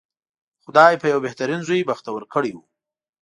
خدای په یوه بهترین زوی بختور کړی و.